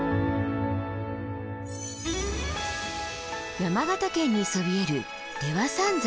山形県にそびえる出羽三山。